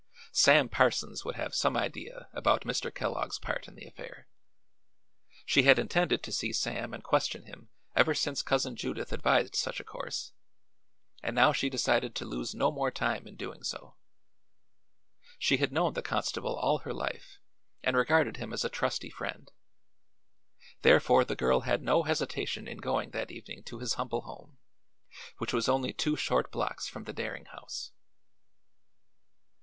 Sam Parsons would have some idea about Mr. Kellogg's part in the affair. She had intended to see Sam and question him ever since Cousin Judith advised such a course, and now she decided to lose no more time in doing so. She had known the constable all her life and regarded him as a trusty friend; therefore the girl had no hesitation in going that evening to his humble home, which was only two short blocks from the Daring house.